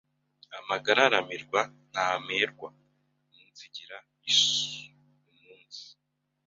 amagara aramirwa ntamerwa), umunsigira isuumunsi